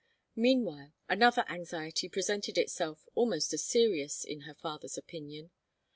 Meanwhile, another anxiety presented itself, almost as serious, in her father's opinion.